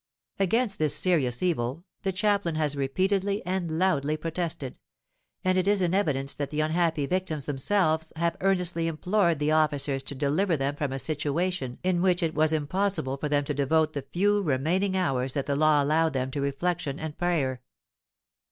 Against this serious evil the chaplain has repeatedly and loudly protested; and it is in evidence that the unhappy victims themselves have earnestly implored the officers to deliver them from a situation in which it was impossible for them to devote the few remaining hours that the law allowed them to reflection and prayer.